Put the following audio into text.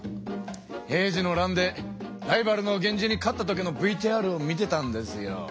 平治の乱でライバルの源氏に勝ったときのＶＴＲを見てたんですよ。